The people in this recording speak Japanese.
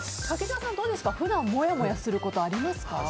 柿澤さん、どうですか普段もやもやすることありますか？